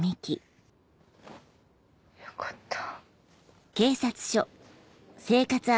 よかった。